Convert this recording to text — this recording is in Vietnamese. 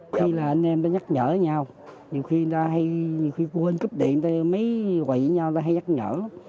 khi là anh em nhắc nhở nhau nhiều khi người ta hay quên cúp điện mấy quậy nhau ta hay nhắc nhở